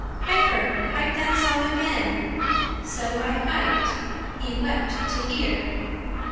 'Piper, pipe that song again.' So I piped: he wept to hear.